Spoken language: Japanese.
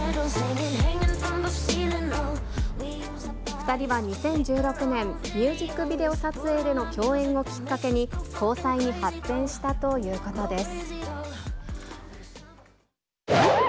２人は２０１６年、ミュージックビデオ撮影での共演をきっかけに、交際に発展したということです。